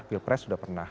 kita sudah pernah